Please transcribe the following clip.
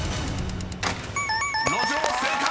［「路上」正解！］